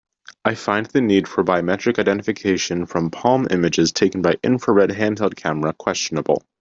I find the need for biometric identification from palm images taken by infrared handheld camera questionable.